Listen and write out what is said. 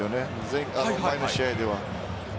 前回の試合では。